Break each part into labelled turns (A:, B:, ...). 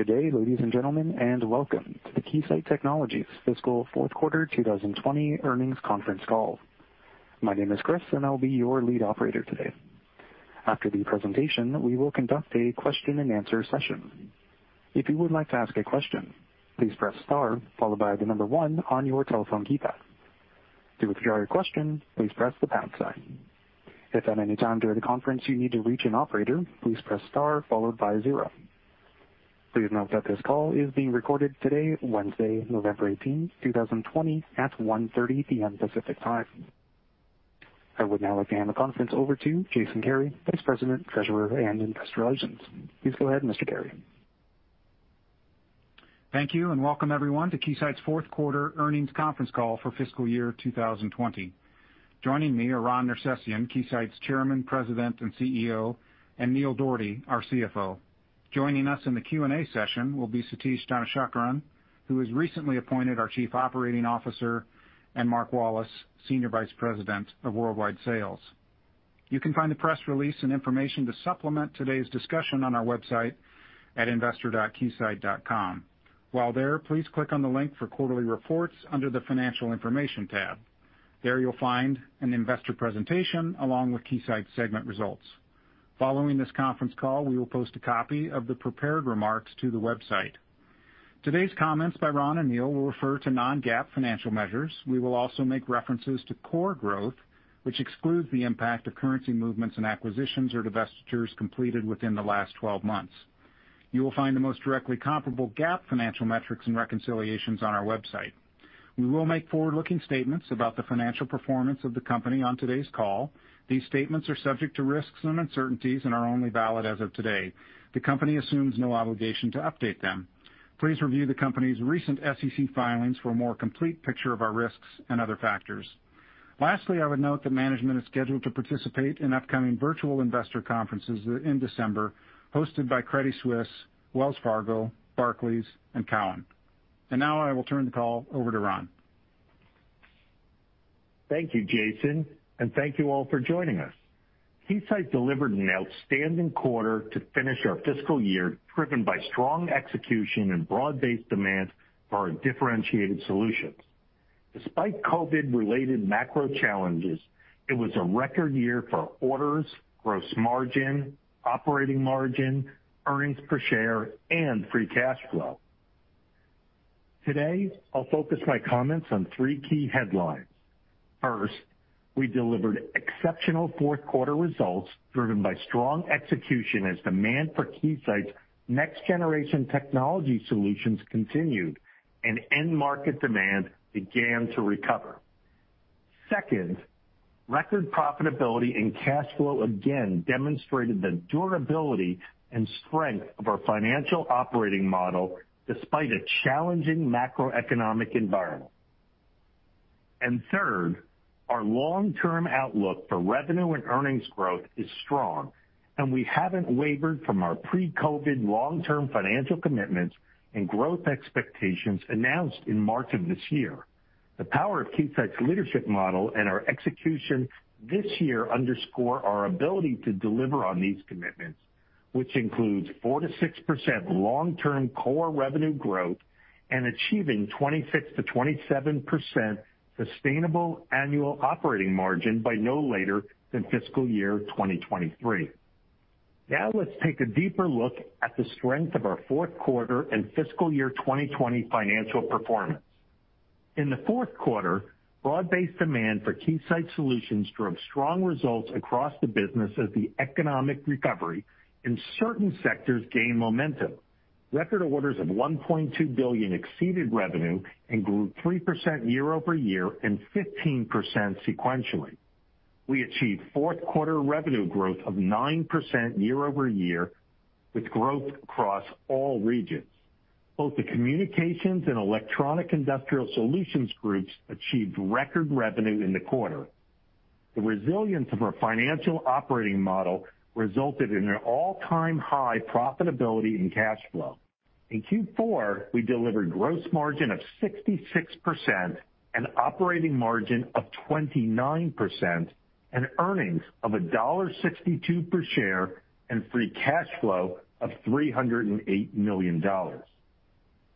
A: Good day, ladies and gentlemen, and welcome to the Keysight Technologies fiscal fourth quarter 2020 earnings conference call. My name is Chris and I'll be your lead operator today. After the presentation, we will conduct a question-and-answer session. If you would like to ask a question, please press star followed by number one on your telephone keypad. To withdraw your question, please press the pound sign. If at any time during the conference you need to reach an operator, please press star followed by zero. Please note that this call is being recorded today, Wednesday, November 18, 2020, at 1:30 P.M. Pacific Time. I would now like to hand the conference over to Jason Kary, Vice President, Treasurer, and Investor Relations. Please go ahead, Mr. Kary.
B: Thank you and welcome everyone to Keysight's fourth quarter earnings conference call for fiscal year 2020. Joining me are Ron Nersesian, Keysight's Chairman, President, and CEO, and Neil Dougherty, our CFO. Joining us in the Q&A session will be Satish Dhanasekaran, who was recently appointed our Chief Operating Officer, and Mark Wallace, Senior Vice President of Worldwide Sales. You can find the press release and information to supplement today's discussion on our website at investor.keysight.com. While there, please click on the link for quarterly reports under the financial information tab. There you'll find an investor presentation along with Keysight segment results. Following this conference call, we will post a copy of the prepared remarks to the website. Today's comments by Ron and Neil will refer to non-GAAP financial measures. We will also make references to core growth, which excludes the impact of currency movements and acquisitions or divestitures completed within the last 12 months. You will find the most directly comparable GAAP financial metrics and reconciliations on our website. We will make forward-looking statements about the financial performance of the company on today's call. These statements are subject to risks and uncertainties and are only valid as of today. The company assumes no obligation to update them. Please review the company's recent SEC filings for a more complete picture of our risks and other factors. Lastly, I would note that management is scheduled to participate in upcoming virtual investor conferences in December hosted by Credit Suisse, Wells Fargo, Barclays, and Cowen. Now I will turn the call over to Ron.
C: Thank you, Jason, and thank you all for joining us. Keysight delivered an outstanding quarter to finish our fiscal year, driven by strong execution and broad-based demand for our differentiated solutions. Despite COVID-related macro challenges, it was a record year for orders, gross margin, operating margin, earnings per share, and free cash flow. Today, I'll focus my comments on three key headlines. First, we delivered exceptional fourth-quarter results driven by strong execution as demand for Keysight's next-generation technology solutions continued, end-market demand began to recover. Second, record profitability and cash flow again demonstrated the durability and strength of our financial operating model despite a challenging macroeconomic environment. Third, our long-term outlook for revenue and earnings growth is strong, and we haven't wavered from our pre-COVID long-term financial commitments and growth expectations announced in March of this year. The power of Keysight's leadership model and our execution this year underscore our ability to deliver on these commitments, which includes 4%-6% long-term core revenue growth and achieving 26%-27% sustainable annual operating margin by no later than fiscal year 2023. Now let's take a deeper look at the strength of our fourth quarter and fiscal year 2020 financial performance. In the fourth quarter, broad-based demand for Keysight solutions drove strong results across the business as the economic recovery in certain sectors gained momentum. Record orders of $1.2 billion exceeded revenue and grew 3% year-over-year and 15% sequentially. We achieved fourth-quarter revenue growth of 9% year-over-year, with growth across all regions. Both the Communications Solutions Group and Electronic Industrial Solutions Group achieved record revenue in the quarter. The resilience of our financial operating model resulted in an all-time high profitability and cash flow. In Q4, we delivered gross margin of 66%, an operating margin of 29%, and earnings of $1.62 per share, and free cash flow of $308 million.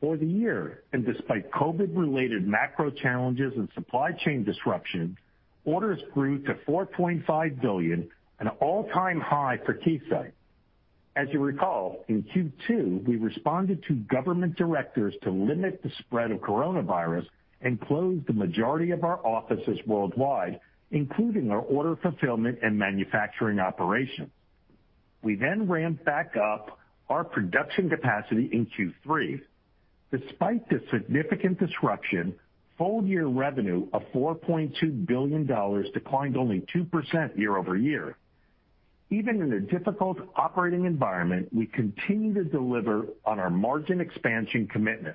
C: For the year, despite COVID-related macro challenges and supply chain disruptions, orders grew to $4.5 billion, an all-time high for Keysight. As you recall, in Q2, we responded to government directives to limit the spread of coronavirus and closed the majority of our offices worldwide, including our order fulfillment and manufacturing operations. We ramped back up our production capacity in Q3. Despite the significant disruption, full-year revenue of $4.2 billion declined only 2% year-over-year. Even in a difficult operating environment, we continue to deliver on our margin expansion commitment.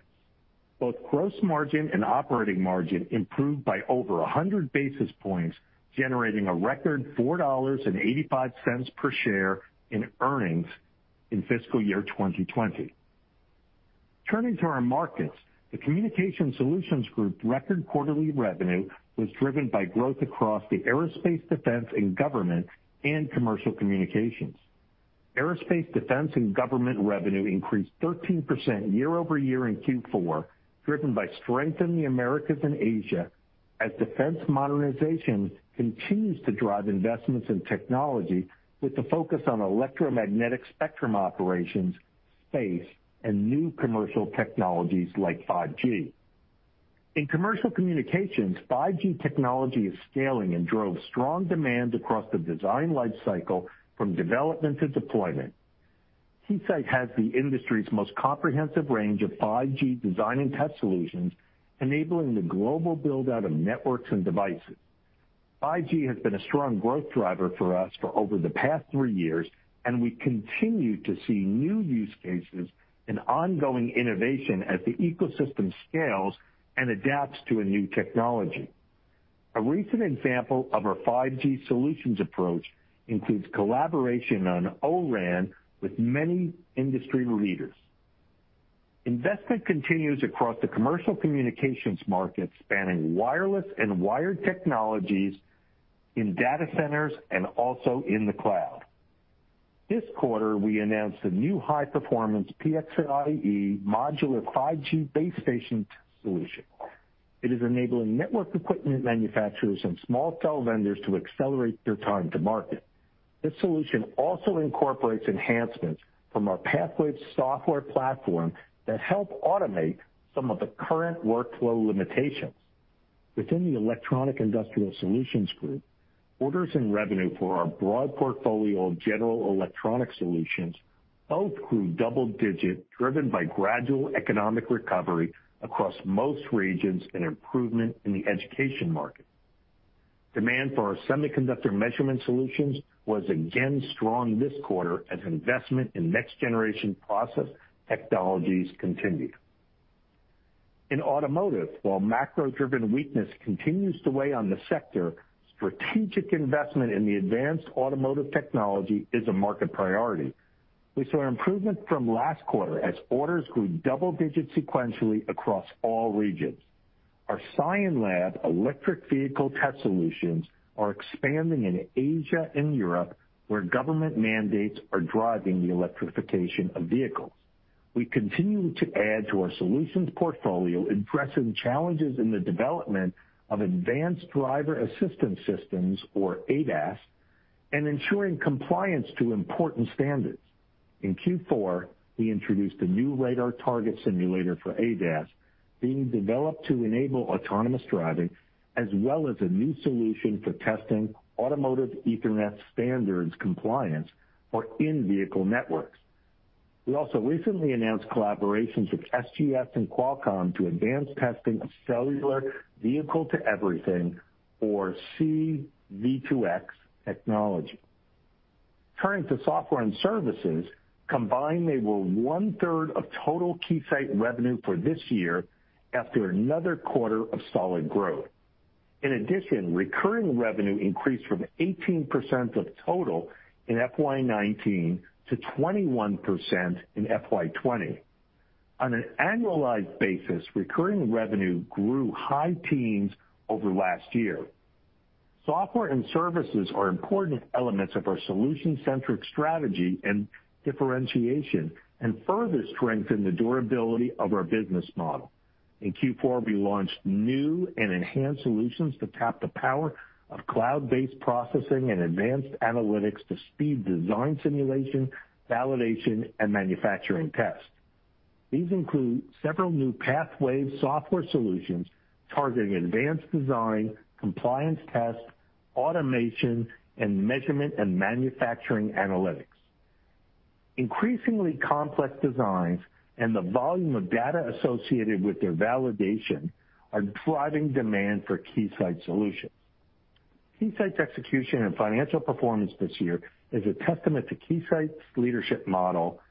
C: Both gross margin and operating margin improved by over 100 basis points, generating a record $4.85 per share in earnings in fiscal year 2020. Turning to our markets, the Communication Solutions Group record quarterly revenue was driven by growth across the Aerospace, Defense & Government and Commercial Communications. Aerospace, Defense & Government revenue increased 13% year-over-year in Q4, driven by strength in the Americas and Asia as defense modernization continues to drive investments in technology with a focus on electromagnetic spectrum operations, space, and new commercial technologies like 5G. In Commercial Communications, 5G technology is scaling and drove strong demand across the design lifecycle from development to deployment. Keysight has the industry's most comprehensive range of 5G design and test solutions, enabling the global build-out of networks and devices. 5G has been a strong growth driver for us for over the past three years, and we continue to see new use cases and ongoing innovation as the ecosystem scales and adapts to a new technology. A recent example of our 5G solutions approach includes collaboration on O-RAN with many industry leaders. Investment continues across the commercial communications market, spanning wireless and wired technologies in data centers and also in the cloud. This quarter, we announced a new high-performance PXIe modular 5G base station solution. It is enabling network equipment manufacturers and small cell vendors to accelerate their time to market. This solution also incorporates enhancements from our PathWave software platform that help automate some of the current workflow limitations. Within the Electronic Industrial Solutions Group, orders and revenue for our broad portfolio of general electronic solutions both grew double digits, driven by gradual economic recovery across most regions and improvement in the education market. Demand for our semiconductor measurement solutions was again strong this quarter as investment in next-generation process technologies continued. In automotive, while macro-driven weakness continues to weigh on the sector, strategic investment in advanced automotive technology is a market priority. We saw improvement from last quarter as orders grew double digits sequentially across all regions. Our Scienlab electric vehicle test solutions are expanding in Asia and Europe, where government mandates are driving the electrification of vehicles. We continue to add to our solutions portfolio, addressing challenges in the development of advanced driver assistance systems, or ADAS, and ensuring compliance to important standards. In Q4, we introduced a new radar target simulator for ADAS being developed to enable autonomous driving, as well as a new solution for testing automotive Ethernet standards compliance for in-vehicle networks. We also recently announced collaborations with SGS and Qualcomm to advance testing of cellular vehicle to everything, or C-V2X, technology. Turning to software and services, combined, they were one-third of total Keysight revenue for this year after another quarter of solid growth. In addition, recurring revenue increased from 18% of total in FY 2019 to 21% in FY 2020. On an annualized basis, recurring revenue grew high teens over last year. Software and services are important elements of our solution-centric strategy and differentiation and further strengthen the durability of our business model. In Q4, we launched new and enhanced solutions to tap the power of cloud-based processing and advanced analytics to speed design simulation, validation, and manufacturing test. These include several new PathWave software solutions targeting advanced design, compliance test, automation, and measurement and manufacturing analytics. Increasingly complex designs and the volume of data associated with their validation are driving demand for Keysight solutions. Keysight's execution and financial performance this year is a testament to Keysight's leadership model,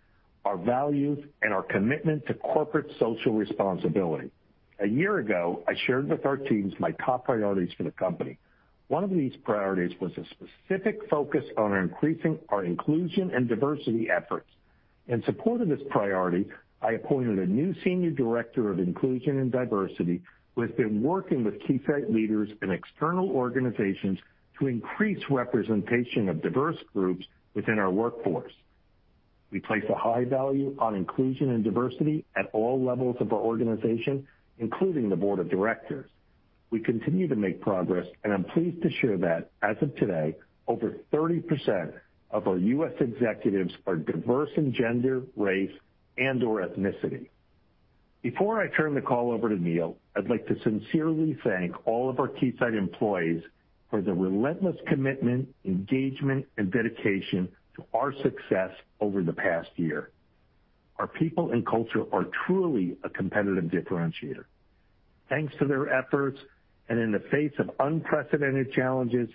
C: our values, and our commitment to corporate social responsibility. A year ago, I shared with our teams my top priorities for the company. One of these priorities was a specific focus on increasing our inclusion and diversity efforts. In support of this priority, I appointed a new senior director of inclusion and diversity, who has been working with Keysight leaders and external organizations to increase representation of diverse groups within our workforce. We place a high value on inclusion and diversity at all levels of our organization, including the board of directors. We continue to make progress, and I'm pleased to share that as of today, over 30% of our U.S. executives are diverse in gender, race, and/or ethnicity. Before I turn the call over to Neil, I'd like to sincerely thank all of our Keysight employees for their relentless commitment, engagement, and dedication to our success over the past year. Our people and culture are truly a competitive differentiator. Thanks to their efforts, and in the face of unprecedented challenges,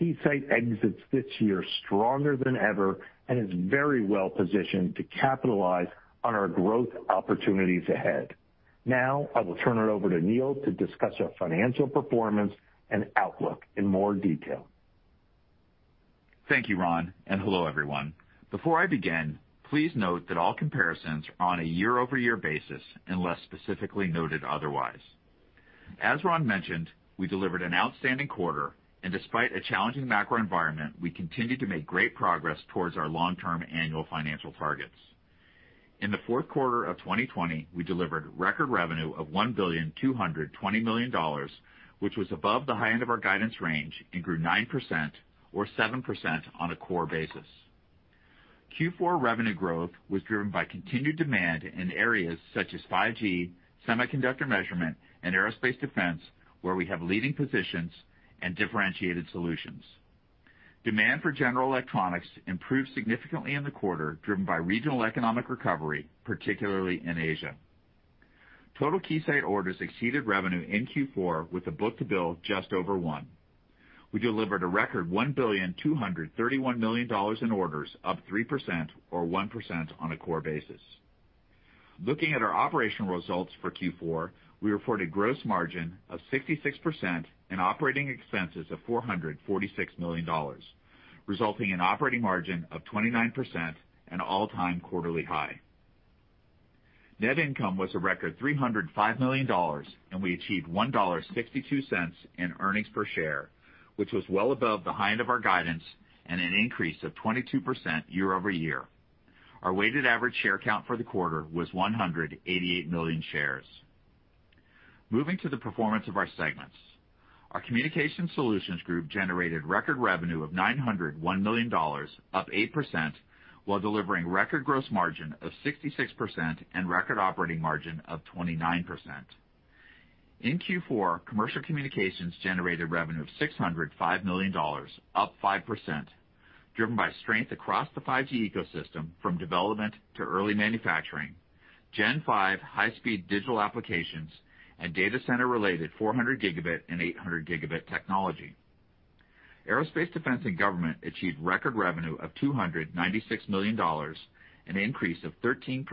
C: Keysight exits this year stronger than ever and is very well positioned to capitalize on our growth opportunities ahead. Now, I will turn it over to Neil to discuss our financial performance and outlook in more detail.
D: Thank you, Ron, and hello, everyone. Before I begin, please note that all comparisons are on a year-over-year basis, unless specifically noted otherwise. As Ron mentioned, we delivered an outstanding quarter, and despite a challenging macro environment, we continued to make great progress towards our long-term annual financial targets. In the fourth quarter of 2020, we delivered record revenue of $1.220 billion, which was above the high end of our guidance range and grew 9% or 7% on a core basis. Q4 revenue growth was driven by continued demand in areas such as 5G, semiconductor measurement, and aerospace defense, where we have leading positions and differentiated solutions. Demand for general electronics improved significantly in the quarter, driven by regional economic recovery, particularly in Asia. Total Keysight orders exceeded revenue in Q4, with the book-to-bill just over one. We delivered a record $1.231 billion in orders, up 3% or 1% on a core basis. Looking at our operational results for Q4, we reported gross margin of 66% and operating expenses of $446 million, resulting in operating margin of 29%, an all-time quarterly high. Net income was a record $305 million, and we achieved $1.62 in earnings per share, which was well above the high end of our guidance and an increase of 22% year-over-year. Our weighted average share count for the quarter was 188 million shares. Moving to the performance of our segments. Our Communication Solutions Group generated record revenue of $901 million, up 8%, while delivering record gross margin of 66% and record operating margin of 29%. In Q4, Commercial Communications generated revenue of $605 million, up 5%, driven by strength across the 5G ecosystem, from development to early manufacturing, Gen 5 high-speed digital applications, and data center-related 400 Gb and 800 Gb technology. Aerospace, Defense & Government achieved record revenue of $296 million, an increase of 13%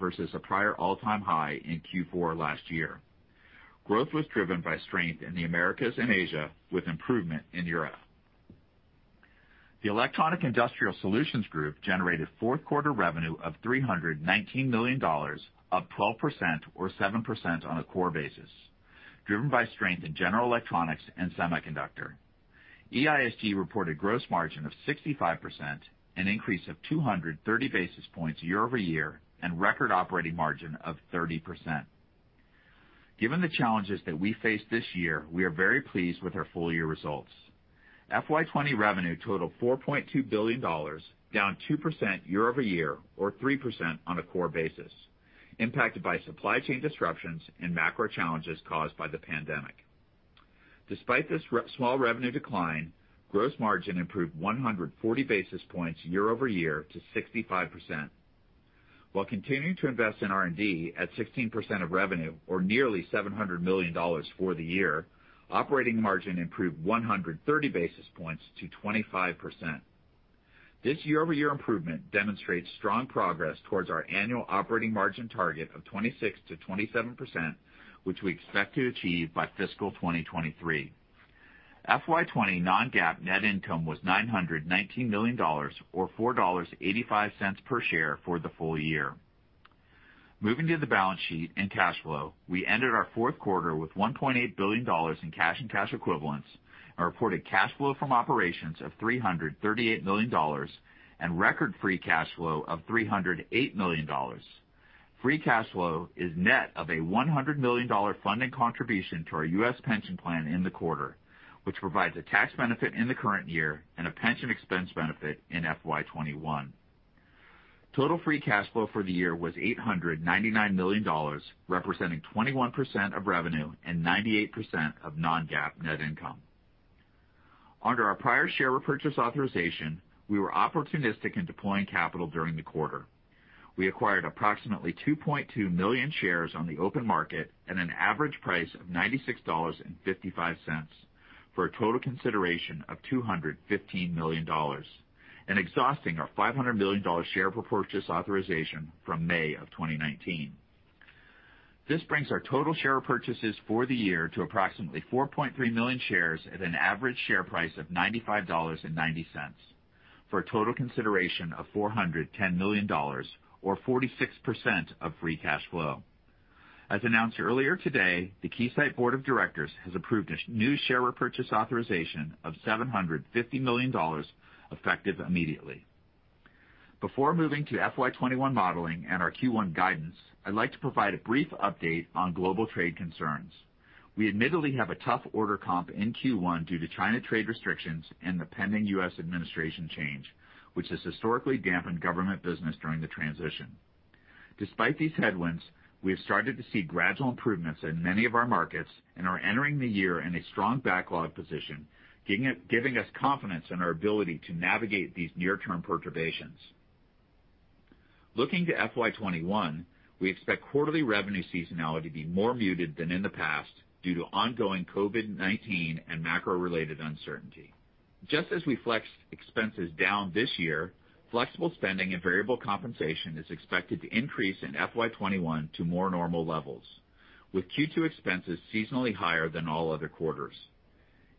D: versus a prior all-time high in Q4 last year. Growth was driven by strength in the Americas and Asia, with improvement in Europe. The Electronic Industrial Solutions Group generated fourth quarter revenue of $319 million, up 12% or 7% on a core basis, driven by strength in general electronics and semiconductor. EISG reported gross margin of 65%, an increase of 230 basis points year-over-year, and record operating margin of 30%. Given the challenges that we faced this year, we are very pleased with our full year results. FY 2020 revenue totaled $4.2 billion, down 2% year-over-year or 3% on a core basis, impacted by supply chain disruptions and macro challenges caused by the pandemic. Despite this small revenue decline, gross margin improved 140 basis points year-over-year to 65%. While continuing to invest in R&D at 16% of revenue or nearly $700 million for the year, operating margin improved 130 basis points to 25%. This year-over-year improvement demonstrates strong progress towards our annual operating margin target of 26%-27%, which we expect to achieve by fiscal 2023. FY 2020 non-GAAP net income was $919 million or $4.85 per share for the full year. Moving to the balance sheet and cash flow, we ended our fourth quarter with $1.8 billion in cash and cash equivalents and reported cash flow from operations of $338 million and record free cash flow of $308 million. Free cash flow is net of a $100 million funding contribution to our U.S. pension plan in the quarter, which provides a tax benefit in the current year and a pension expense benefit in FY 2021. Total free cash flow for the year was $899 million, representing 21% of revenue and 98% of non-GAAP net income. Under our prior share repurchase authorization, we were opportunistic in deploying capital during the quarter. We acquired approximately 2.2 million shares on the open market at an average price of $96.55 for a total consideration of $215 million and exhausting our $500 million share repurchase authorization from May of 2019. This brings our total share purchases for the year to approximately 4.3 million shares at an average share price of $95.90 for a total consideration of $410 million or 46% of free cash flow. As announced earlier today, the Keysight Board of Directors has approved a new share repurchase authorization of $750 million effective immediately. Before moving to FY 2021 modeling and our Q1 guidance, I'd like to provide a brief update on global trade concerns. We admittedly have a tough order comp in Q1 due to China trade restrictions and the pending U.S. administration change, which has historically dampened government business during the transition. Despite these headwinds, we have started to see gradual improvements in many of our markets and are entering the year in a strong backlog position, giving us confidence in our ability to navigate these near-term perturbations. Looking to FY 2021, we expect quarterly revenue seasonality to be more muted than in the past due to ongoing COVID-19 and macro-related uncertainty. Just as we flexed expenses down this year, flexible spending and variable compensation is expected to increase in FY 2021 to more normal levels, with Q2 expenses seasonally higher than all other quarters.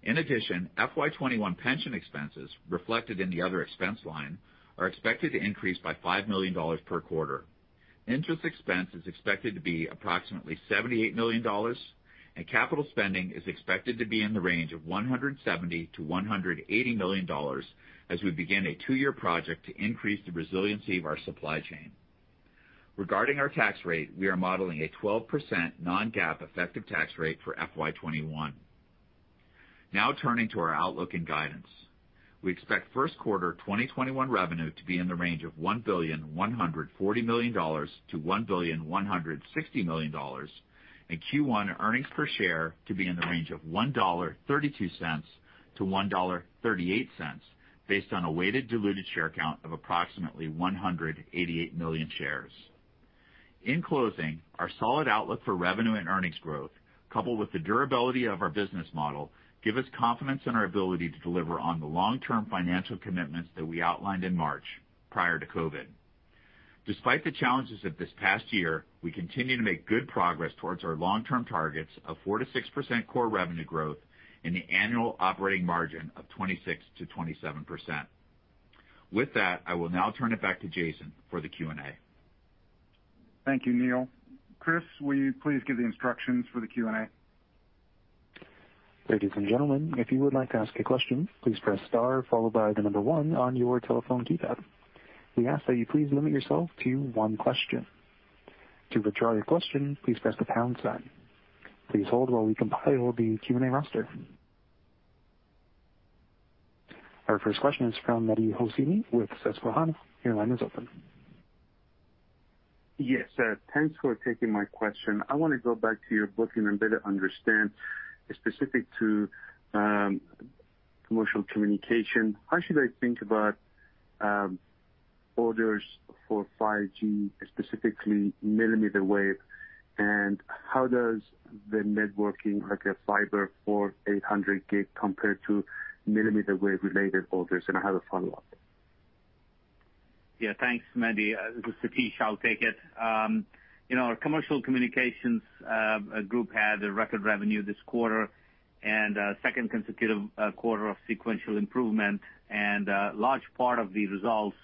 D: In addition, FY 2021 pension expenses reflected in the other expense line are expected to increase by $5 million per quarter. Interest expense is expected to be approximately $78 million, and capital spending is expected to be in the range of $170 million-$180 million as we begin a two-year project to increase the resiliency of our supply chain. Regarding our tax rate, we are modeling a 12% non-GAAP effective tax rate for FY 2021. Now, turning to our outlook and guidance. We expect first quarter 2021 revenue to be in the range of $1.140 billion-$1.160 billion, and Q1 earnings per share to be in the range of $1.32-$1.38, based on a weighted diluted share count of approximately 188 million shares. In closing, our solid outlook for revenue and earnings growth, coupled with the durability of our business model, give us confidence in our ability to deliver on the long-term financial commitments that we outlined in March, prior to COVID. Despite the challenges of this past year, we continue to make good progress towards our long-term targets of 4%-6% core revenue growth and the annual operating margin of 26%-27%. With that, I will now turn it back to Jason for the Q&A.
B: Thank you, Neil. Chris, will you please give the instructions for the Q&A?
A: Ladies and gentlemen, if you would like to ask a question please press star followed by the number one on your telephone keypad. We ask that you please limit yourself to one question. To withdraw your question, please press the pound sign. Please hold while we compile the Q&A roster. Our first question is from Mehdi Hosseini with Susquehanna. Your line is open.
E: Yes. Thanks for taking my question. I want to go back to your booking and better understand specific to Commercial Communication. How should I think about orders for 5G, specifically millimeter wave, and how does the networking, like a fiber for 800 Gb compare to millimeter wave related orders? I have a follow-up.
F: Yeah. Thanks, Mehdi. This is Satish. I'll take it. Our Commercial Communications group had a record revenue this quarter and a second consecutive quarter of sequential improvement, and a large part of the results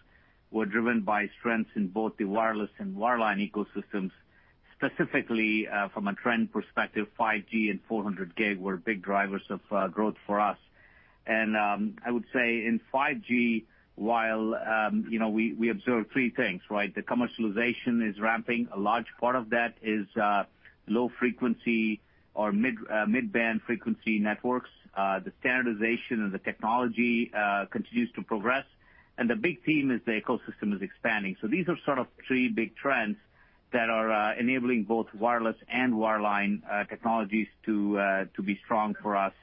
F: were driven by strengths in both the wireless and wireline ecosystems. Specifically, from a trend perspective, 5G and 400 Gb were big drivers of growth for us. I would say in 5G, we observe three things, right? The commercialization is ramping. A large part of that is low frequency or mid-band frequency networks. The standardization and the technology continues to progress, and the big theme is the ecosystem is expanding. These are sort of three big trends that are enabling both wireless and wireline technologies to be strong for us.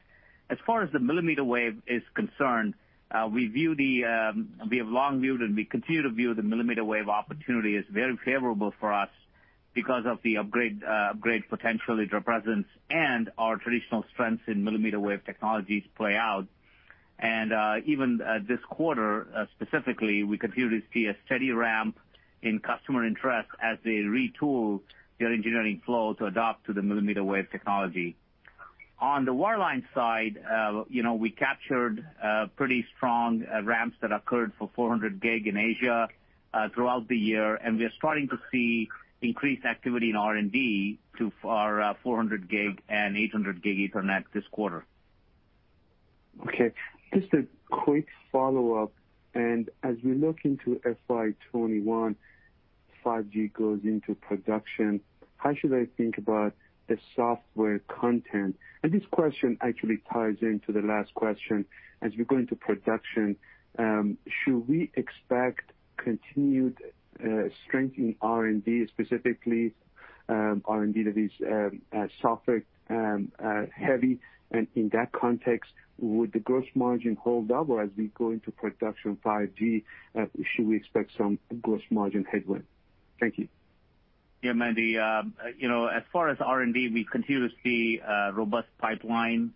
F: As far as the millimeter wave is concerned, we have long viewed and we continue to view the millimeter wave opportunity as very favorable for us because of the upgrade potential it represents and our traditional strengths in millimeter wave technologies play out. Even this quarter, specifically, we continue to see a steady ramp in customer interest as they retool their engineering flow to adapt to the millimeter wave technology. On the wireline side, we captured pretty strong ramps that occurred for 400 Gb in Asia throughout the year, and we are starting to see increased activity in R&D for our 400 Gb and 800 Gb Ethernet this quarter.
E: Okay. Just a quick follow-up. As we look into FY 2021, 5G goes into production, how should I think about the software content? This question actually ties into the last question. As we go into production, should we expect continued strength in R&D, specifically R&D that is software heavy? In that context, would the gross margin hold up or as we go into production 5G, should we expect some gross margin headwind? Thank you.
F: Yeah, Mehdi. As far as R&D, we continue to see a robust pipeline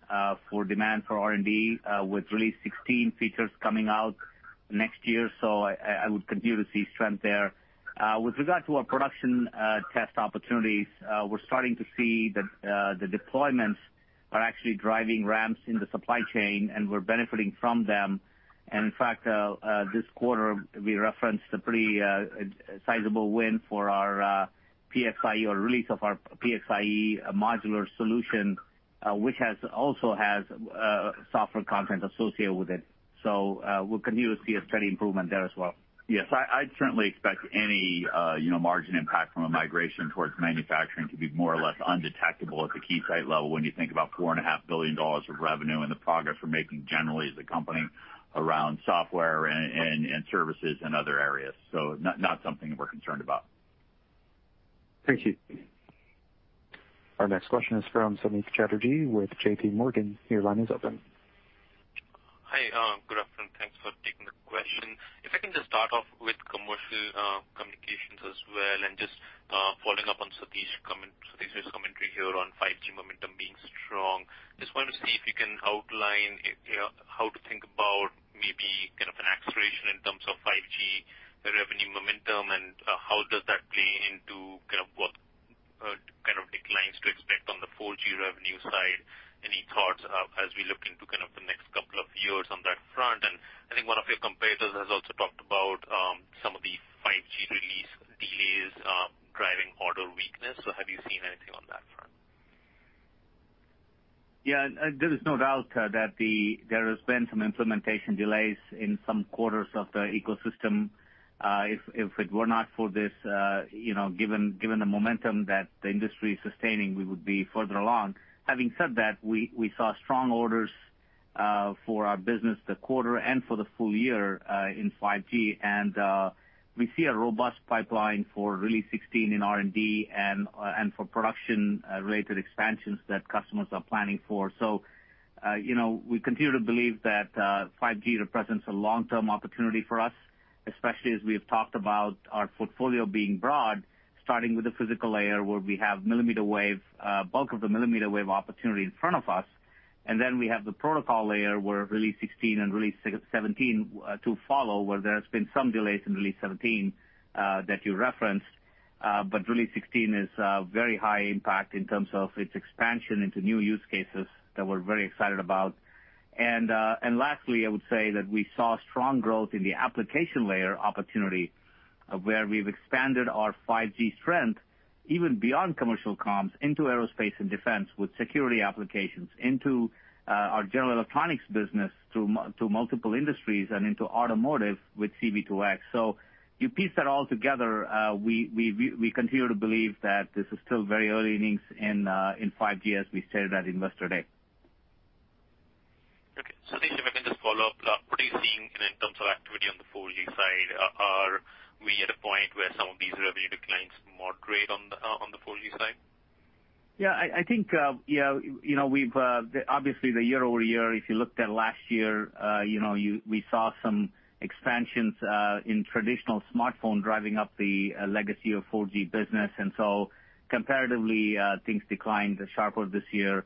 F: for demand for R&D with Release 16 features coming out next year. I would continue to see strength there. With regard to our production test opportunities, we're starting to see the deployments are actually driving ramps in the supply chain, and we're benefiting from them. In fact, this quarter, we referenced a pretty sizable win for our PXIe or release of our PXIe modular solution, which also has software content associated with it. We'll continue to see a steady improvement there as well.
D: Yes. I'd certainly expect any margin impact from a migration towards manufacturing to be more or less undetectable at the Keysight level when you think about $4.5 billion of revenue and the progress we're making generally as a company around software and services in other areas. Not something that we're concerned about.
E: Thank you.
A: Our next question is from Samik Chatterjee with JPMorgan. Your line is open.
G: Hi. Good afternoon. Thanks for taking the question. If I can just start off with commercial communications as well, and just following up on Satish's commentary here on 5G momentum being strong. Just want to see if you can outline how to think about, maybe kind of an acceleration in terms of 5G revenue momentum. How does that play into kind of what, kind of declines to expect on the 4G revenue side. Any thoughts as we look into the next couple of years on that front? I think one of your competitors has also talked about some of the 5G release delays driving order weakness. Have you seen anything on that front?
F: Yeah. There is no doubt that there has been some implementation delays in some quarters of the ecosystem. If it were not for this, given the momentum that the industry is sustaining, we would be further along. Having said that, we saw strong orders for our business this quarter and for the full year in 5G. We see a robust pipeline for Release 16 in R&D and for production-related expansions that customers are planning for. We continue to believe that 5G represents a long-term opportunity for us, especially as we have talked about our portfolio being broad, starting with the physical layer, where we have a bulk of the millimeter wave opportunity in front of us. Then we have the protocol layer where Release 16 and Release 17 to follow, where there has been some delays in Release 17 that you referenced. Release 16 is very high impact in terms of its expansion into new use cases that we're very excited about. Lastly, I would say that we saw strong growth in the application layer opportunity, where we've expanded our 5G strength, even beyond commercial comms into aerospace and defense with security applications, into our general electronics business to multiple industries and into automotive with C-V2X. You piece that all together, we continue to believe that this is still very early innings in 5G as we stated at Investor Day.
G: Okay. Satish, if I can just follow up. What are you seeing in terms of activity on the 4G side? Are we at a point where some of these revenue declines moderate on the 4G side?
F: Yeah. I think, obviously the year-over-year, if you looked at last year, we saw some expansions in traditional smartphone driving up the legacy of 4G business. Comparatively, things declined sharper this year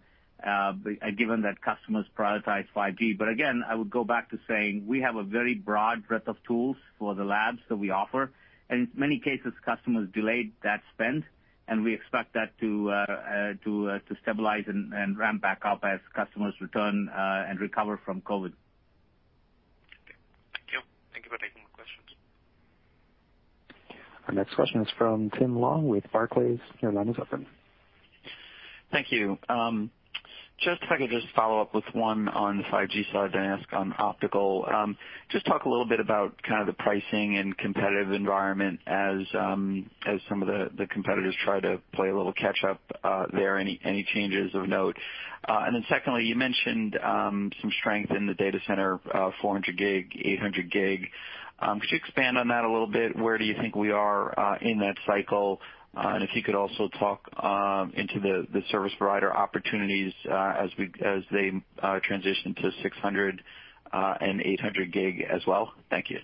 F: given that customers prioritize 5G. Again, I would go back to saying we have a very broad breadth of tools for the labs that we offer, and in many cases, customers delayed that spend, and we expect that to stabilize and ramp back up as customers return and recover from COVID.
G: Okay. Thank you. Thank you for taking the questions.
A: Our next question is from Tim Long with Barclays. Your line is open.
H: Thank you. If I could just follow up with one on the 5G side, ask on optical. Just talk a little bit about kind of the pricing and competitive environment as some of the competitors try to play a little catch up there. Any changes of note? Secondly, you mentioned some strength in the data center, 400 Gb, 800 Gb. Could you expand on that a little bit? Where do you think we are in that cycle? If you could also talk into the service provider opportunities as they transition to 600 Gb and 800 Gb as well. Thank you.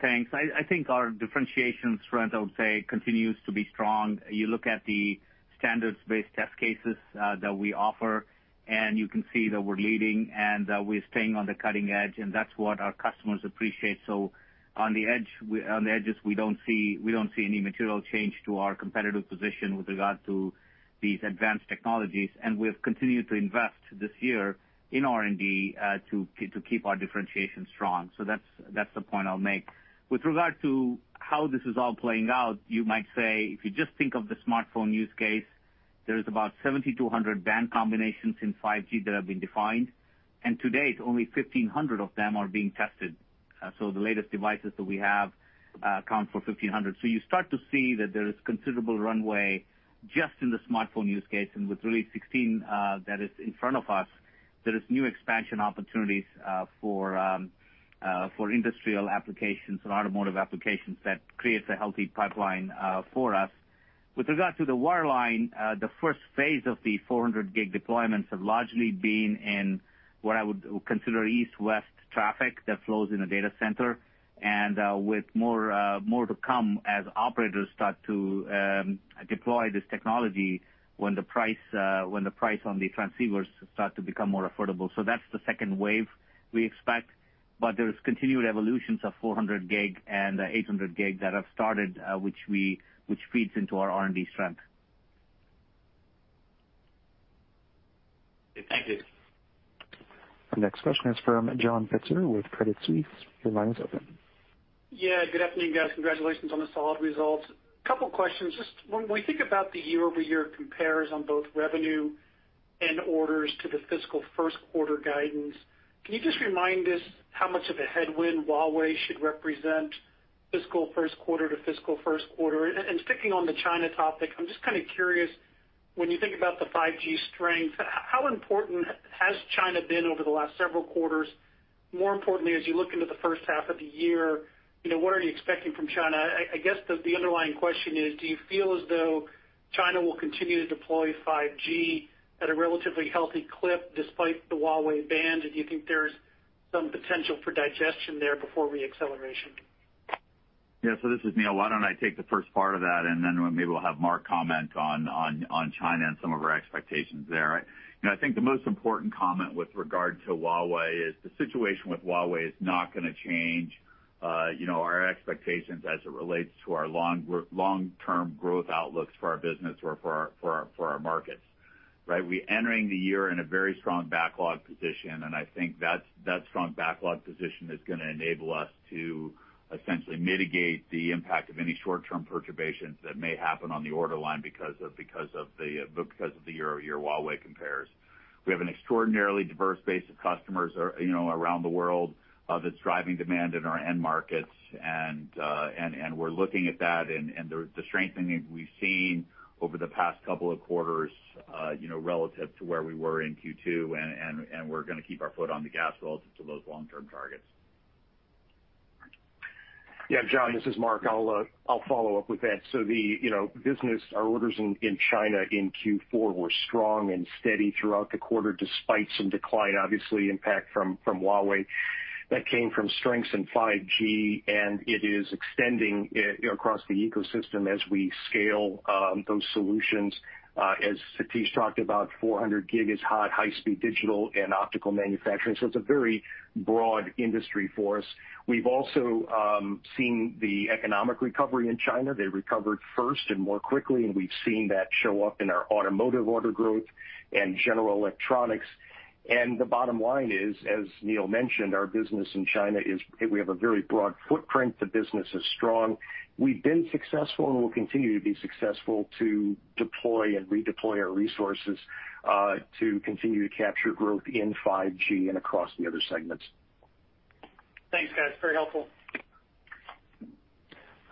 F: Thanks. I think our differentiation strength, I would say, continues to be strong. You look at the standards-based test cases that we offer, you can see that we're leading and that we're staying on the cutting edge, that's what our customers appreciate. On the edges, we don't see any material change to our competitive position with regard to these advanced technologies, we've continued to invest this year in R&D to keep our differentiation strong. That's the point I'll make. With regard to how this is all playing out, you might say, if you just think of the smartphone use case, there is about 7,200 band combinations in 5G that have been defined. To date, only 1,500 of them are being tested. The latest devices that we have account for 1,500. You start to see that there is considerable runway just in the smartphone use case. With Release 16 that is in front of us, there is new expansion opportunities for industrial applications and automotive applications that creates a healthy pipeline for us. With regard to the wireline, the first phase of the 400 Gb deployments have largely been in what I would consider East-West traffic that flows in a data center and with more to come as operators start to deploy this technology when the price on the transceivers start to become more affordable. That's the second wave we expect, but there is continued evolutions of 400 Gb and 800 Gb that have started, which feeds into our R&D strength.
H: Thank you.
A: Our next question is from John Pitzer with Credit Suisse. Your line is open.
I: Yeah. Good afternoon, guys. Congratulations on the solid results. Couple questions. Just when we think about the year-over-year compares on both revenue and orders to the fiscal first quarter guidance, can you just remind us how much of a headwind Huawei should represent fiscal first quarter to fiscal first quarter? Sticking on the China topic, I'm just kind of curious, when you think about the 5G strength, how important has China been over the last several quarters? More importantly, as you look into the first half of the year, what are you expecting from China? I guess the underlying question is: Do you feel as though China will continue to deploy 5G at a relatively healthy clip despite the Huawei ban? Do you think there's some potential for digestion there before re-acceleration?
D: This is Neil. Why don't I take the first part of that, and then maybe we'll have Mark comment on China and some of our expectations there. I think the most important comment with regard to Huawei is, the situation with Huawei is not going to change our expectations as it relates to our long-term growth outlooks for our business or for our markets. Right. We're entering the year in a very strong backlog position, and I think that strong backlog position is going to enable us to essentially mitigate the impact of any short-term perturbations that may happen on the order line because of the year-over-year Huawei compares. We have an extraordinarily diverse base of customers around the world that's driving demand in our end markets. We're looking at that and the strengthening we've seen over the past couple of quarters, relative to where we were in Q2, and we're going to keep our foot on the gas relative to those long-term targets.
J: Yeah, John, this is Mark. I'll follow up with that. The business, our orders in China in Q4 were strong and steady throughout the quarter, despite some decline, obviously, impact from Huawei. That came from strengths in 5G, and it is extending across the ecosystem as we scale those solutions. As Satish talked about, 400 Gb is hot, high-speed digital and optical manufacturing. It's a very broad industry for us. We've also seen the economic recovery in China. They recovered first and more quickly, and we've seen that show up in our automotive order growth and general electronics. The bottom line is, as Neil mentioned, our business in China is we have a very broad footprint. The business is strong. We've been successful and will continue to be successful to deploy and redeploy our resources to continue to capture growth in 5G and across the other segments.
I: Thanks, guys. Very helpful.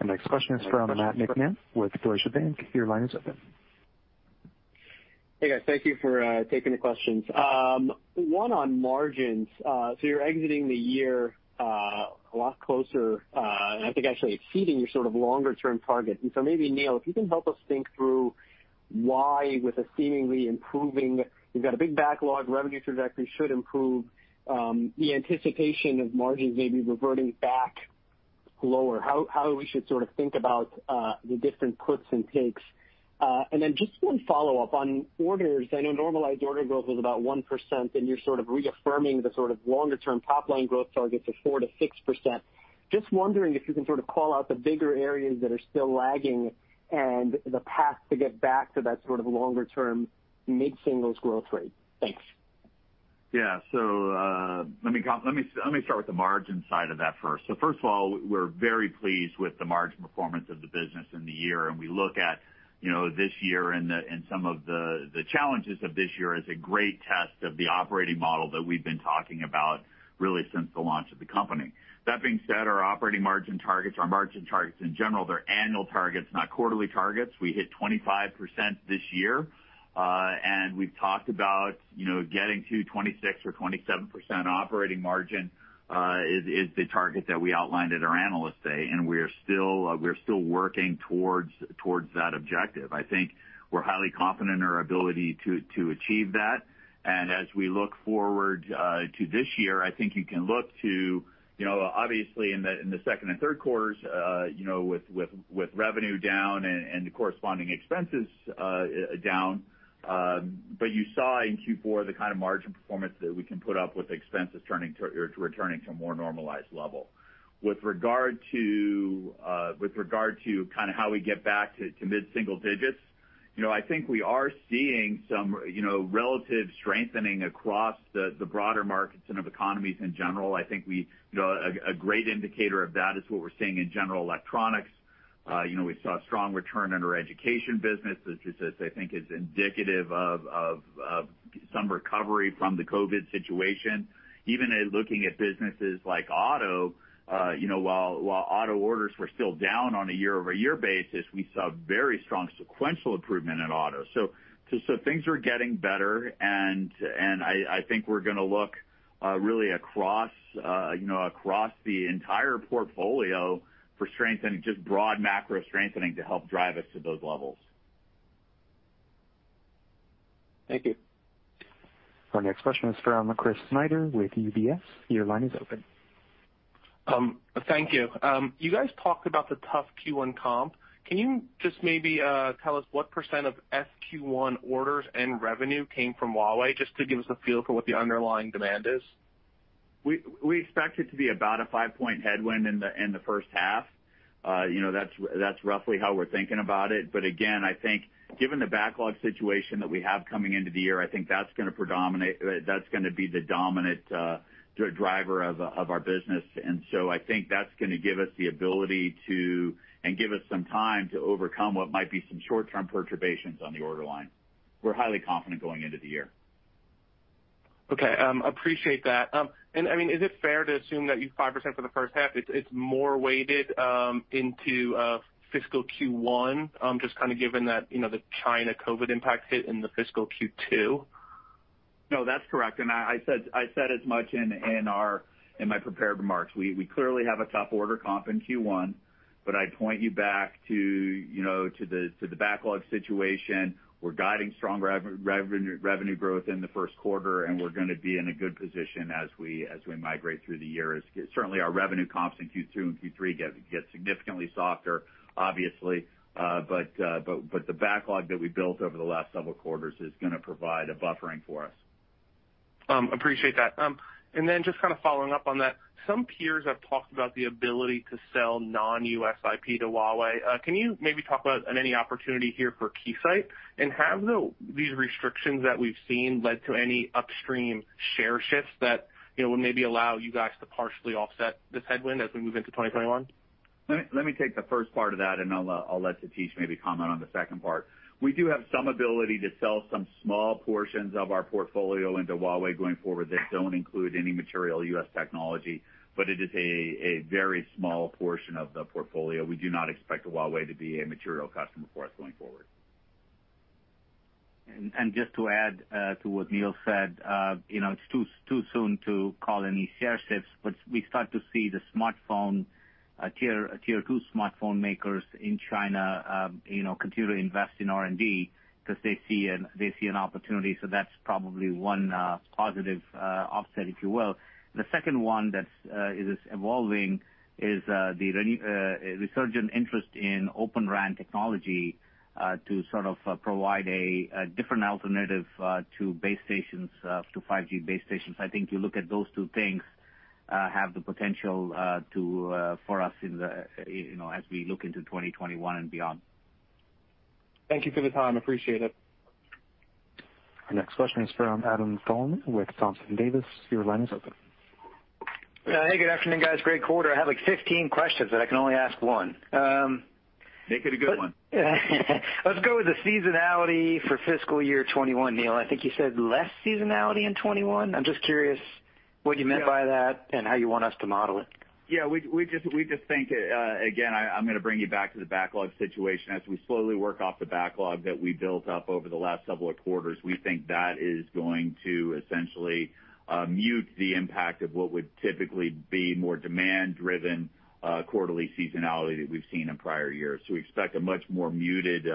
A: Our next question is from Matt Niknam with Deutsche Bank. Your line is open.
K: Hey, guys. Thank you for taking the questions. One on margins. You're exiting the year a lot closer, and I think actually exceeding your sort of longer-term target. Maybe, Neil, if you can help us think through why with a seemingly improving, you've got a big backlog, revenue trajectory should improve, the anticipation of margins may be reverting back lower. How we should sort of think about the different puts and takes. Just one follow-up on orders. I know normalized order growth was about 1% and you're sort of reaffirming the sort of longer-term top-line growth targets of 4%-6%. Just wondering if you can sort of call out the bigger areas that are still lagging and the path to get back to that sort of longer-term mid-singles growth rate. Thanks.
D: Yeah. Let me start with the margin side of that first. First of all, we're very pleased with the margin performance of the business in the year. We look at this year and some of the challenges of this year as a great test of the operating model that we've been talking about really since the launch of the company. That being said, our operating margin targets, our margin targets in general, they're annual targets, not quarterly targets. We hit 25% this year. We've talked about getting to 26% or 27% operating margin is the target that we outlined at our Analyst Day, and we're still working towards that objective. I think we're highly confident in our ability to achieve that. As we look forward to this year, I think you can look to, obviously in the second and third quarters with revenue down and the corresponding expenses down. You saw in Q4 the kind of margin performance that we can put up with expenses returning to a more normalized level. With regard to kind of how we get back to mid-single digits, I think we are seeing some relative strengthening across the broader markets and of economies in general. I think a great indicator of that is what we're seeing in general electronics. We saw a strong return in our education business, which I think is indicative of some recovery from the COVID situation. Even in looking at businesses like auto, while auto orders were still down on a year-over-year basis, we saw very strong sequential improvement in auto. Things are getting better, and I think we're going to look really across the entire portfolio for strengthening, just broad macro strengthening to help drive us to those levels.
K: Thank you.
A: Our next question is from Chris Snyder with UBS. Your line is open.
L: Thank you. You guys talked about the tough Q1 comp. Can you just maybe tell us what percent of F Q1 orders and revenue came from Huawei, just to give us a feel for what the underlying demand is?
D: We expect it to be about a five-point headwind in the first half. That's roughly how we're thinking about it. Again, I think given the backlog situation that we have coming into the year, I think that's going to be the dominant driver of our business. I think that's going to give us the ability to and give us some time to overcome what might be some short-term perturbations on the order line. We're highly confident going into the year.
L: Okay, appreciate that. I mean, is it fair to assume that 5% for the first half, it's more weighted into fiscal Q1, just kind of given that the China COVID impact hit in the fiscal Q2?
D: No, that's correct. I said as much in my prepared remarks. We clearly have a tough order comp in Q1, but I'd point you back to the backlog situation. We're guiding strong revenue growth in the first quarter, and we're going to be in a good position as we migrate through the year. Certainly, our revenue comps in Q2 and Q3 get significantly softer, obviously. The backlog that we built over the last several quarters is going to provide a buffering for us.
L: Appreciate that. Then just kind of following up on that, some peers have talked about the ability to sell non-US IP to Huawei. Can you maybe talk about any opportunity here for Keysight? Have these restrictions that we've seen led to any upstream share shifts that will maybe allow you guys to partially offset this headwind as we move into 2021?
D: Let me take the first part of that, and I'll let Satish maybe comment on the second part. We do have some ability to sell some small portions of our portfolio into Huawei going forward that don't include any material U.S. technology, but it is a very small portion of the portfolio. We do not expect Huawei to be a material customer for us going forward.
F: Just to add to what Neil said, it's too soon to call any share shifts, but we start to see the smartphone, tier 2 smartphone makers in China continue to invest in R&D because they see an opportunity. That's probably one positive offset, if you will. The second one that is evolving is the resurgent interest in Open RAN technology to sort of provide a different alternative to base stations, to 5G base stations. I think you look at those two things have the potential for us as we look into 2021 and beyond.
L: Thank you for the time. Appreciate it.
A: Our next question is from Adam Thalhimer with Thompson Davis. Your line is open.
M: Hey, good afternoon, guys. Great quarter. I have 15 questions, but I can only ask one.
D: Make it a good one.
M: Let's go with the seasonality for fiscal year 2021, Neil. I think you said less seasonality in 2021. I'm just curious what you meant by that and how you want us to model it.
D: Yeah. We just think, again, I'm going to bring you back to the backlog situation. As we slowly work off the backlog that we built up over the last several quarters, we think that is going to essentially mute the impact of what would typically be more demand-driven quarterly seasonality that we've seen in prior years. We expect a much more muted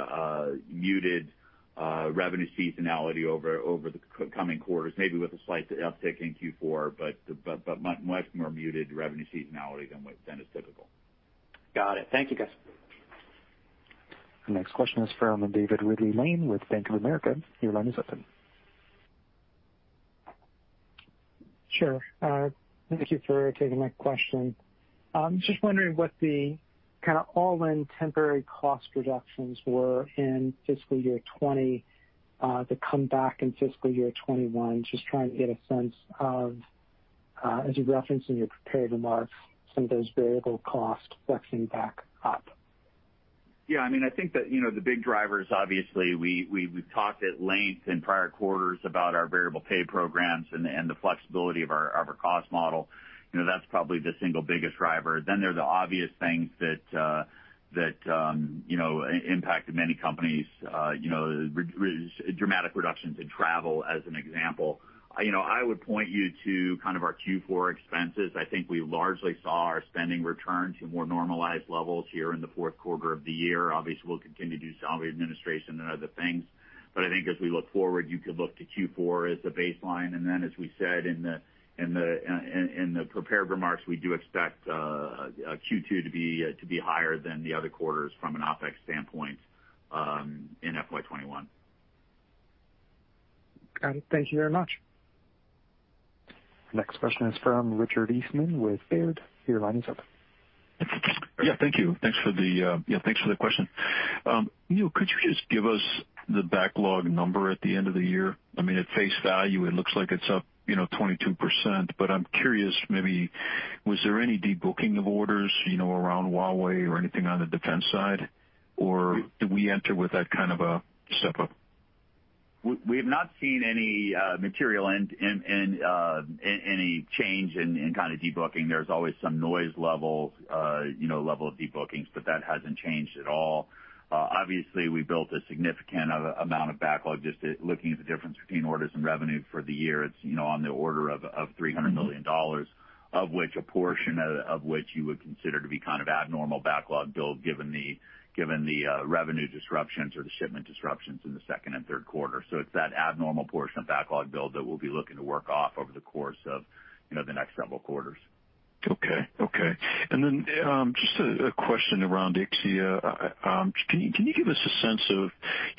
D: revenue seasonality over the coming quarters, maybe with a slight uptick in Q4, but much more muted revenue seasonality than is typical.
M: Got it. Thank you, guys.
A: Our next question is from David Ridley-Lane with Bank of America. Your line is open.
N: Sure. Thank you for taking my question. Just wondering what the kind of all-in temporary cost reductions were in fiscal year 2020 that come back in fiscal year 2021. Just trying to get a sense of, as you referenced in your prepared remarks, some of those variable costs flexing back up.
D: Yeah. I think that the big drivers, obviously, we've talked at length in prior quarters about our variable pay programs and the flexibility of our cost model. That's probably the single biggest driver. There are the obvious things that impacted many companies, dramatic reductions in travel, as an example. I would point you to kind of our Q4 expenses. I think we largely saw our spending return to more normalized levels here in the fourth quarter of the year. Obviously, we'll continue to do some administration and other things. I think as we look forward, you could look to Q4 as a baseline. As we said in the prepared remarks, we do expect Q2 to be higher than the other quarters from an OpEx standpoint in FY 2021.
N: Got it. Thank you very much.
A: Next question is from Richard Eastman with Baird. Your line is open.
O: Yeah, thank you. Thanks for the question. Neil, could you just give us the backlog number at the end of the year? At face value, it looks like it's up 22%, but I'm curious, maybe was there any de-booking of orders around Huawei or anything on the defense side? Or did we enter with that kind of a step-up?
D: We have not seen any material and any change in kind of de-booking. There's always some noise level of de-bookings, but that hasn't changed at all. Obviously, we built a significant amount of backlog just looking at the difference between orders and revenue for the year. It's on the order of $300 million, of which a portion of which you would consider to be kind of abnormal backlog build given the revenue disruptions or the shipment disruptions in the second and third quarter. It's that abnormal portion of backlog build that we'll be looking to work off over the course of the next several quarters.
O: Okay. Just a question around Ixia. Can you give us a sense of,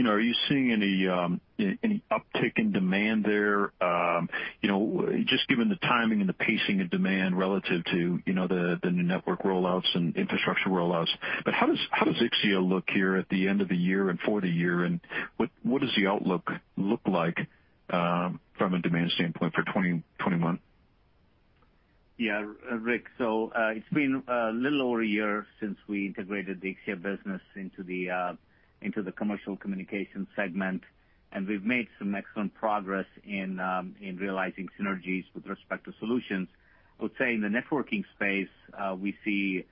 O: are you seeing any uptick in demand there? Just given the timing and the pacing of demand relative to the new network rollouts and infrastructure rollouts. How does Ixia look here at the end of the year and for the year, and what does the outlook look like from a demand standpoint for 2021?
F: Yeah, Rick. It's been a little over a year since we integrated the Ixia business into the Commercial Communications segment, and we've made some excellent progress in realizing synergies with respect to solutions. I would say in the networking space, we see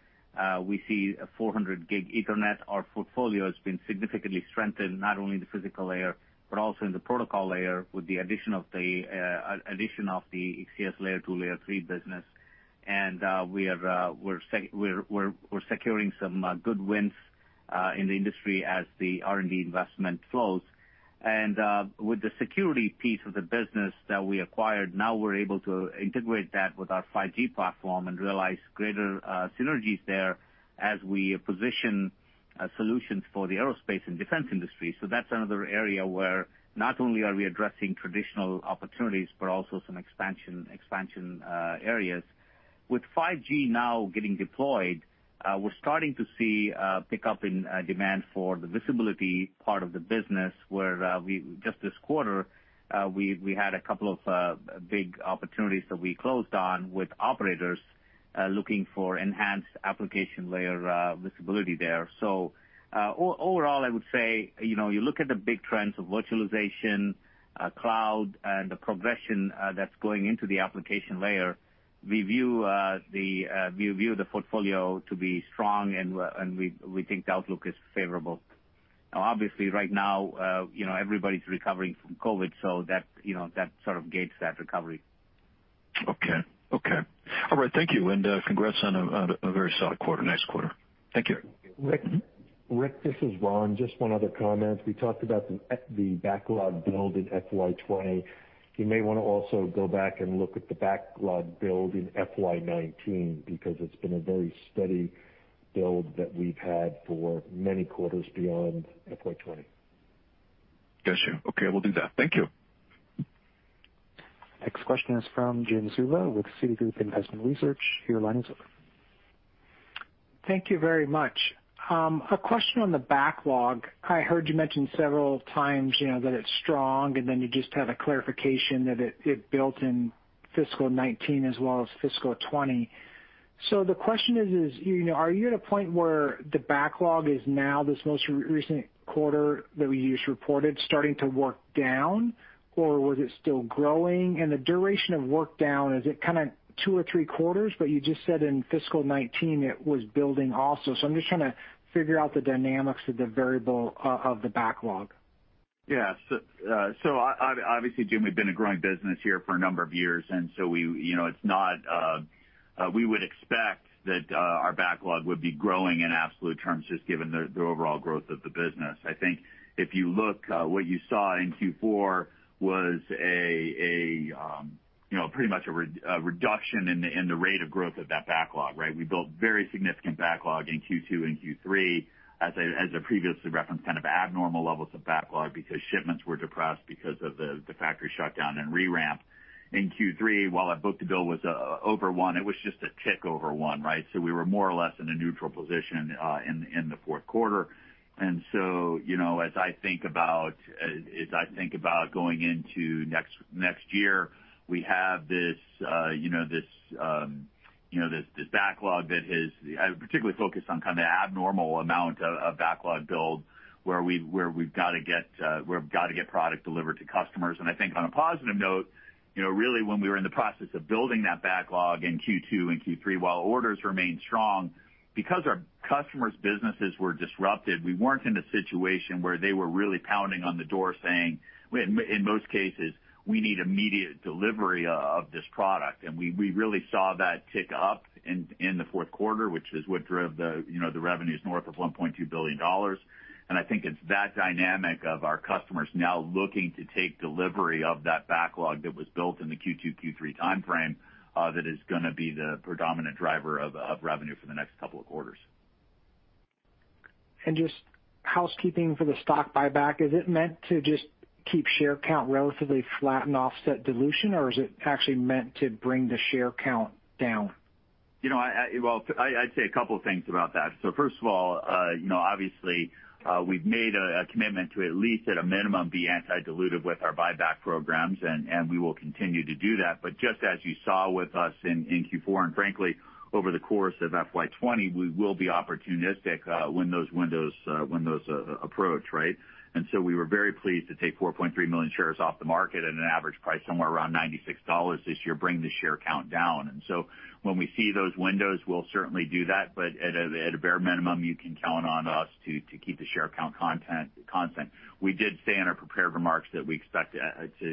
F: 400 Gb Ethernet. Our portfolio has been significantly strengthened, not only in the physical layer, but also in the protocol layer with the addition of the Ixia's Layer 2, Layer 3 business. We're securing some good wins in the industry as the R&D investment flows. With the security piece of the business that we acquired, now we're able to integrate that with our 5G platform and realize greater synergies there as we position solutions for the aerospace and defense industry. That's another area where not only are we addressing traditional opportunities, but also some expansion areas. With 5G now getting deployed, we're starting to see a pickup in demand for the visibility part of the business, where just this quarter, we had a couple of big opportunities that we closed on with operators looking for enhanced application layer visibility there. Overall, I would say, you look at the big trends of virtualization, cloud, and the progression that's going into the application layer. We view the portfolio to be strong, and we think the outlook is favorable. Obviously, right now, everybody's recovering from COVID, so that sort of gates that recovery.
O: Okay. All right, thank you. Congrats on a very solid quarter. Nice quarter. Thank you.
C: Rick, this is Ron. Just one other comment. We talked about the backlog build in FY 2020. You may want to also go back and look at the backlog build in FY 2019, because it's been a very steady build that we've had for many quarters beyond FY 2020.
O: Got you. Okay, will do that. Thank you.
A: Next question is from Jim Suva with Citigroup Investment Research. Your line is open.
P: Thank you very much. A question on the backlog. I heard you mention several times that it's strong, and then you just had a clarification that it built in fiscal 2019 as well as fiscal 2020. The question is: Are you at a point where the backlog is now, this most recent quarter that we just reported, starting to work down, or was it still growing? And the duration of work down, is it kind of two or three quarters? You just said in fiscal 2019, it was building also. I'm just trying to figure out the dynamics of the variable of the backlog.
D: Yeah. Obviously, Jim, we've been a growing business here for a number of years, and so we would expect that our backlog would be growing in absolute terms, just given the overall growth of the business. I think if you look, what you saw in Q4 was pretty much a reduction in the rate of growth of that backlog, right? We built very significant backlog in Q2 and Q3 as I previously referenced, kind of abnormal levels of backlog because shipments were depressed because of the factory shutdown and re-ramp. In Q3, while our book-to-bill was over one, it was just a tick over one, right? We were more or less in a neutral position in the fourth quarter. As I think about going into next year, we have this backlog. I'm particularly focused on kind of the abnormal amount of backlog build, where we've got to get product delivered to customers. I think on a positive note, really, when we were in the process of building that backlog in Q2 and Q3, while orders remained strong, because our customers' businesses were disrupted, we weren't in a situation where they were really pounding on the door saying, in most cases, "We need immediate delivery of this product." We really saw that tick up in the fourth quarter, which is what drove the revenues north of $1.2 billion. I think it's that dynamic of our customers now looking to take delivery of that backlog that was built in the Q2, Q3 timeframe, that is going to be the predominant driver of revenue for the next couple of quarters.
P: Just housekeeping for the stock buyback. Is it meant to just keep share count relatively flat and offset dilution, or is it actually meant to bring the share count down?
D: I'd say a couple of things about that. First of all, obviously, we've made a commitment to at least at a minimum, be anti-dilutive with our buyback programs, and we will continue to do that. Just as you saw with us in Q4, and frankly, over the course of FY 2020, we will be opportunistic when those windows approach, right? We were very pleased to take 4.3 million shares off the market at an average price somewhere around $96 this year, bring the share count down. When we see those windows, we'll certainly do that. At a bare minimum, you can count on us to keep the share count constant. We did say in our prepared remarks that we expect to,